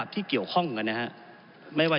อะไรท่านคิดว่าแก้ไขปรับภูมิได้